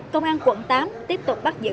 công an quận tám tiếp tục bắt giữ